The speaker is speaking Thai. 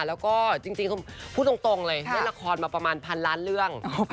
แล้วก็จริงพูดตรงเลยเล่นละครมาประมาณพันล้านเรื่อง